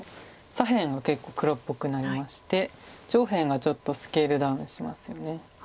左辺が結構黒っぽくなりまして上辺がちょっとスケールダウンしますよね。